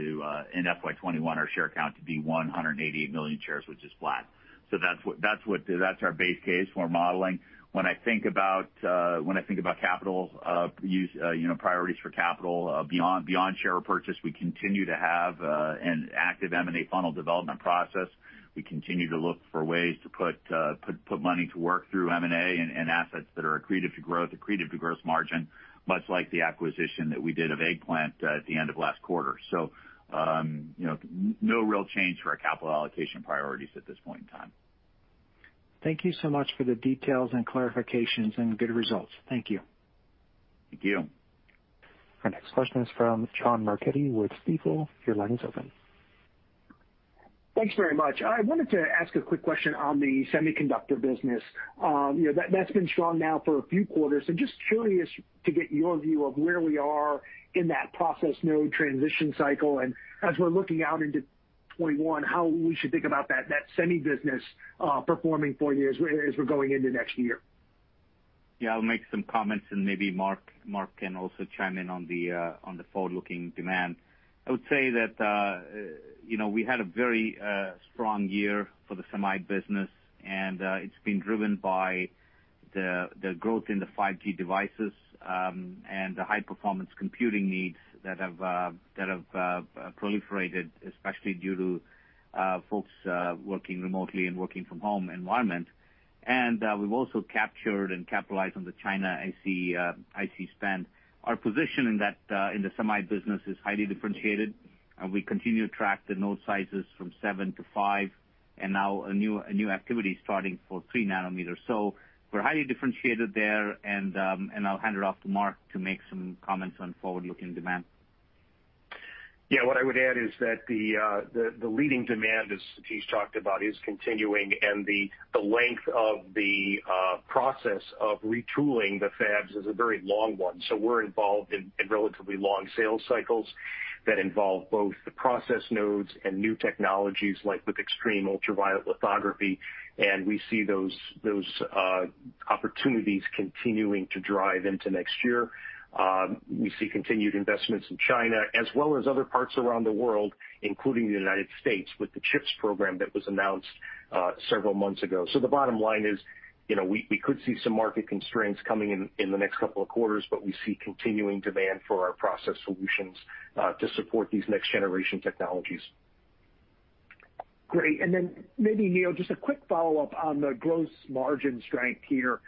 D: in FY 2021, our share count to be 188 million shares, which is flat. That's our base case for modeling. When I think about priorities for capital beyond share repurchase, we continue to have an active M&A funnel development process. We continue to look for ways to put money to work through M&A and assets that are accretive to growth, accretive to gross margin, much like the acquisition that we did of Eggplant at the end of last quarter. No real change for our capital allocation priorities at this point in time.
P: Thank you so much for the details and clarifications and good results. Thank you.
D: Thank you.
A: Our next question is from John Marchetti with Stifel. Your line is open.
Q: Thanks very much. I wanted to ask a quick question on the semiconductor business. That's been strong now for a few quarters, just curious to get your view of where we are in that process node transition cycle. As we're looking out into 2021, how we should think about that semi business performing for you as we're going into next year.
F: Yeah, I'll make some comments and maybe Mark can also chime in on the forward-looking demand. I would say that we had a very strong year for the semi business, and it's been driven by the growth in the 5G devices, and the high-performance computing needs that have proliferated, especially due to folks working remotely and working from home environment. We've also captured and capitalized on the China IC spend. Our position in the semi business is highly differentiated, and we continue to track the node sizes from seven to five, and now a new activity starting for 3 nm. We're highly differentiated there, and I'll hand it off to Mark to make some comments on forward-looking demand.
J: Yeah. What I would add is that the leading demand, as Satish talked about, is continuing, and the length of the process of retooling the fabs is a very long one. We're involved in relatively long sales cycles that involve both the process nodes and new technologies like with extreme ultraviolet lithography, and we see those opportunities continuing to drive into next year. We see continued investments in China as well as other parts around the world, including the United States, with the CHIPS program that was announced several months ago. The bottom line is, we could see some market constraints coming in the next couple of quarters, but we see continuing demand for our process solutions to support these next-generation technologies.
Q: Great. Maybe, Neil, just a quick follow-up on the gross margin strength here.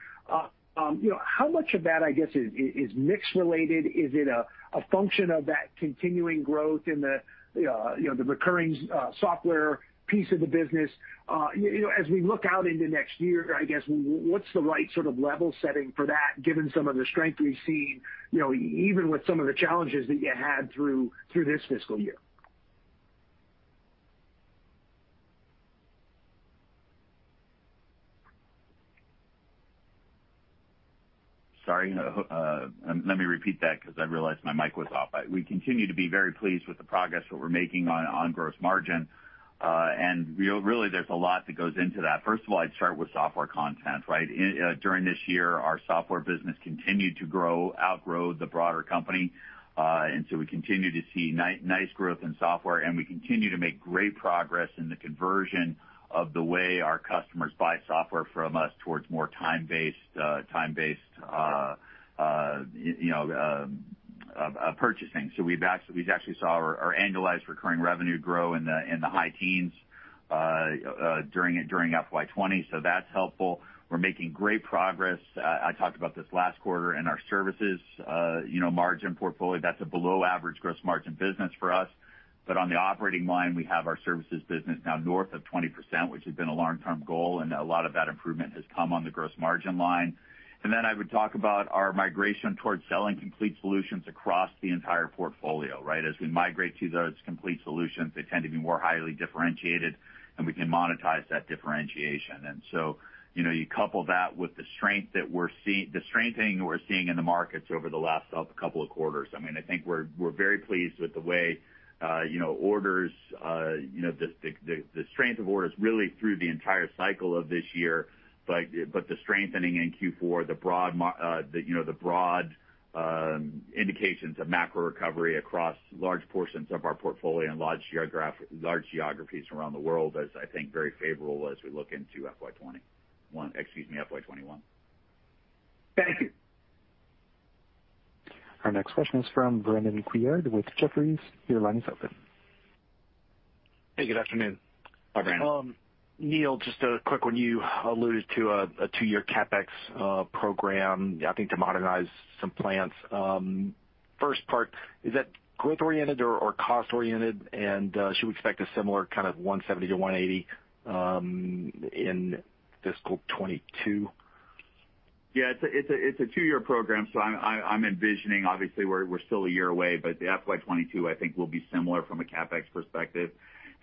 Q: How much of that, I guess, is mix-related? Is it a function of that continuing growth in the recurring software piece of the business? As we look out into next year, I guess, what's the right sort of level setting for that, given some of the strength we've seen, even with some of the challenges that you had through this fiscal year?
D: Sorry. Let me repeat that because I realized my mic was off. We continue to be very pleased with the progress that we're making on gross margin. Really, there's a lot that goes into that. First of all, I'd start with software content, right? During this year, our software business continued to outgrow the broader company. So we continue to see nice growth in software, and we continue to make great progress in the conversion of the way our customers buy software from us towards more time-based purchasing. So we actually saw our annualized recurring revenue grow in the high teens during FY 2020. So that's helpful. We're making great progress. I talked about this last quarter in our services margin portfolio. That's a below-average gross margin business for us. On the operating line, we have our services business now north of 20%, which had been a long-term goal, and a lot of that improvement has come on the gross margin line. I would talk about our migration towards selling complete solutions across the entire portfolio, right? As we migrate to those complete solutions, they tend to be more highly differentiated, and we can monetize that differentiation. You couple that with the strengthening we're seeing in the markets over the last couple of quarters. I think we're very pleased with the strength of orders really through the entire cycle of this year. The strengthening in Q4, the broad indications of macro recovery across large portions of our portfolio and large geographies around the world is, I think, very favorable as we look into FY 2021.
Q: Thank you.
A: Our next question is from Brandon Couillard with Jefferies. Your line is open.
R: Hey, good afternoon.
D: Hi, Brandon.
R: Neil, just a quick one. You alluded to a two-year CapEx program, I think to modernize some plants. First part, is that growth-oriented or cost-oriented, and should we expect a similar kind of $170-$180 in fiscal 2022?
D: Yeah. It's a two-year program. I'm envisioning, obviously, we're still a year away, FY 2022, I think, will be similar from a CapEx perspective.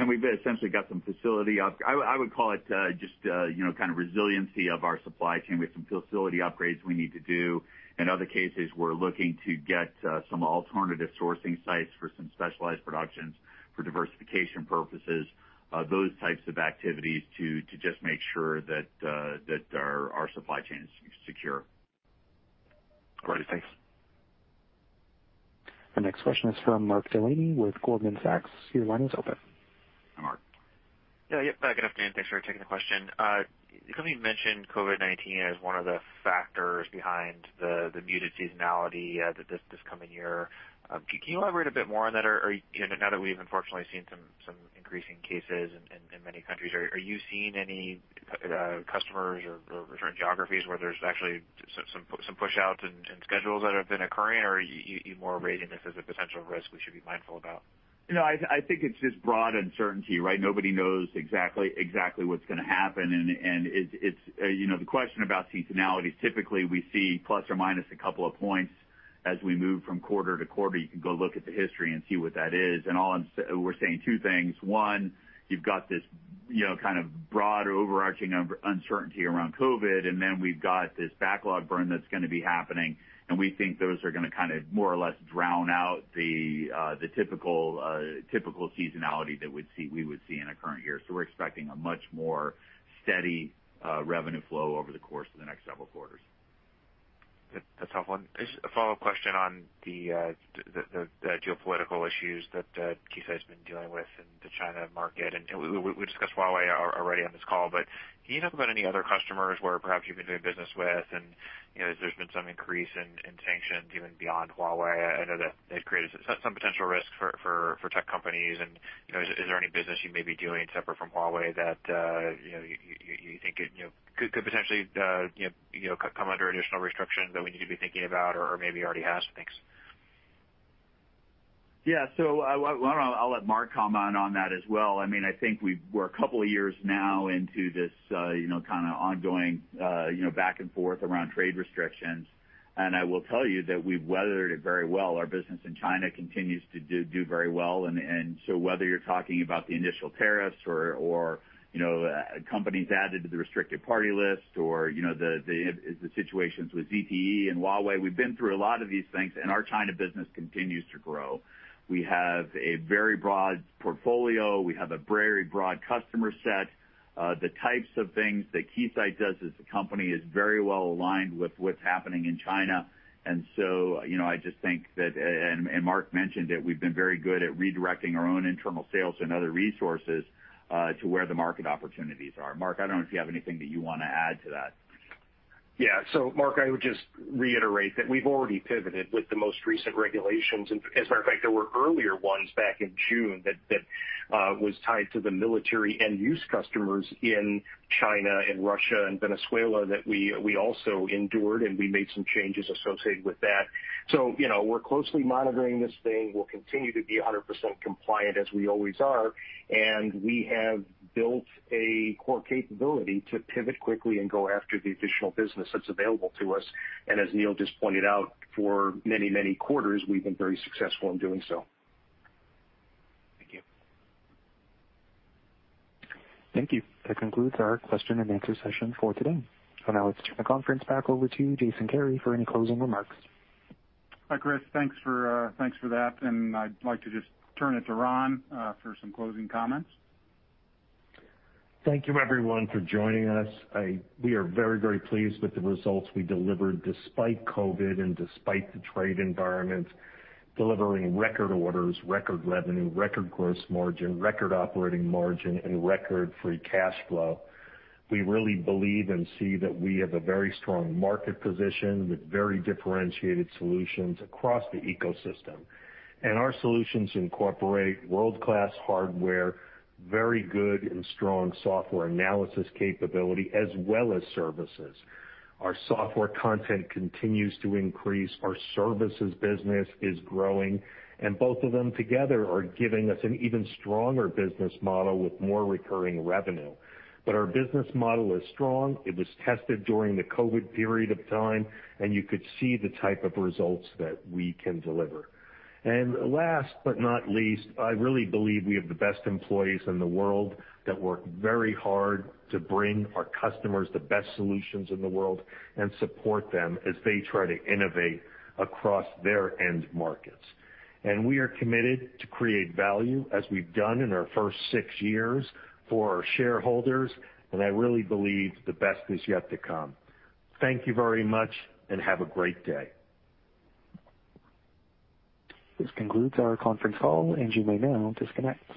D: We've essentially got some facility up. I would call it just kind of resiliency of our supply chain. We have some facility upgrades we need to do. In other cases, we're looking to get some alternative sourcing sites for some specialized productions for diversification purposes. Those types of activities to just make sure that our supply chain is secure.
R: Great. Thanks.
A: Our next question is from Mark Delaney with Goldman Sachs. Your line is open.
D: Mark.
S: Yeah. Good afternoon. Thanks for taking the question. You mentioned COVID-19 as one of the factors behind the muted seasonality this coming year. Can you elaborate a bit more on that? Now that we've unfortunately seen some increasing cases in many countries, are you seeing any customers or certain geographies where there's actually some push outs and schedules that have been occurring, or are you more raising this as a potential risk we should be mindful about?
D: No, I think it's just broad uncertainty, right? Nobody knows exactly what's going to happen, and the question about seasonality is typically we see plus or minus a couple of points as we move from quarter to quarter. You can go look at the history and see what that is, and we're saying two things. One, you've got this kind of broad overarching uncertainty around COVID, and then we've got this backlog burn that's going to be happening, and we think those are going to kind of more or less drown out the typical seasonality that we would see in a current year. We're expecting a much more steady revenue flow over the course of the next several quarters.
S: That's a tough one. Just a follow-up question on the geopolitical issues that Keysight's been dealing with in the China market, and we discussed Huawei already on this call, but can you talk about any other customers where perhaps you've been doing business with, and there's been some increase in sanctions even beyond Huawei? I know that they've created some potential risks for tech companies. Is there any business you may be doing separate from Huawei that you think could potentially come under additional restrictions that we need to be thinking about or maybe already has? Thanks.
D: Yeah. I'll let Mark comment on that as well. I think we're a couple of years now into this kind of ongoing back and forth around trade restrictions, and I will tell you that we've weathered it very well. Our business in China continues to do very well, and so whether you're talking about the initial tariffs or companies added to the restricted party list or the situations with ZTE and Huawei, we've been through a lot of these things, and our China business continues to grow. We have a very broad portfolio. We have a very broad customer set. The types of things that Keysight does as a company is very well aligned with what's happening in China. Mark mentioned it, we've been very good at redirecting our own internal sales and other resources, to where the market opportunities are. Mark, I don't know if you have anything that you want to add to that?
J: Yeah. Mark, I would just reiterate that we've already pivoted with the most recent regulations, and as a matter of fact, there were earlier ones back in June that was tied to the military end use customers in China and Russia and Venezuela that we also endured, and we made some changes associated with that. We're closely monitoring this thing. We'll continue to be 100% compliant as we always are, and we have built a core capability to pivot quickly and go after the additional business that's available to us. As Neil just pointed out, for many, many quarters, we've been very successful in doing so.
S: Thank you.
A: Thank you. That concludes our question and answer session for today. I'll now turn the conference back over to Jason Kary for any closing remarks.
B: Hi, Chris. Thanks for that. I'd like to just turn it to Ron, for some closing comments.
C: Thank you everyone for joining us. We are very, very pleased with the results we delivered despite COVID and despite the trade environment, delivering record orders, record revenue, record gross margin, record operating margin, and record free cash flow. We really believe and see that we have a very strong market position with very differentiated solutions across the ecosystem. Our solutions incorporate world-class hardware, very good and strong software analysis capability, as well as services. Our software content continues to increase. Our services business is growing, and both of them together are giving us an even stronger business model with more recurring revenue. Our business model is strong. It was tested during the COVID period of time, and you could see the type of results that we can deliver. Last but not least, I really believe we have the best employees in the world that work very hard to bring our customers the best solutions in the world and support them as they try to innovate across their end markets. We are committed to create value as we've done in our first six years for our shareholders, and I really believe the best is yet to come. Thank you very much, and have a great day.
A: This concludes our conference call, and you may now disconnect.